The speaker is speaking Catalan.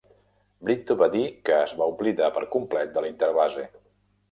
Brito va dir que "es va oblidar per complet de l'interbase".